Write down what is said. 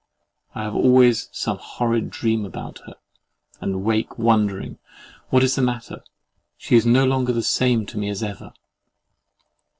I have always some horrid dream about her, and wake wondering what is the matter that "she is no longer the same to me as ever?"